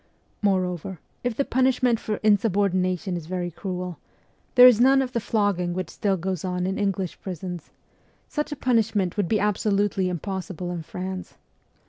Moreover, if the punishment for insubordination is very cruel, there is none of the flogging which still goes on in English prisons : such a punish ment would be absolutely impossible in France.